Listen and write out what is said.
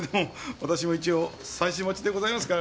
私も一応妻子持ちでございますからね。